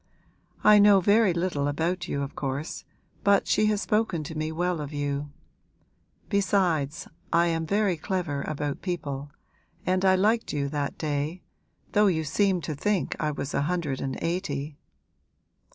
I know very little about you of course, but she has spoken to me well of you. Besides, I am very clever about people, and I liked you that day, though you seemed to think I was a hundred and eighty.'